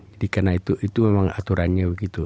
jadi karena itu memang aturannya begitu